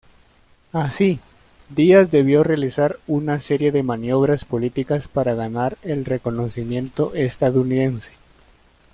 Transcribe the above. Así, Díaz debió realizar una serie de maniobras políticas para ganar el reconocimiento estadounidense.